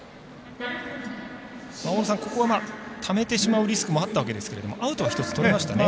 大野さん、ここはためてしまうリスクはあったわけですがアウトは１つとれましたね。